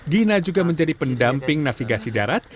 gina juga menjadi pendamping navigasi darat